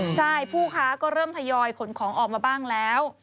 ใช่ผู้ค้าก็เริ่มทยอยขนของออกมาบ้างแล้ว